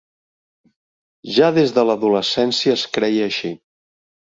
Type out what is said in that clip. Ja des de l'adolescència es creia així.